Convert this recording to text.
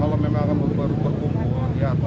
kalau memang kan baru berkumpul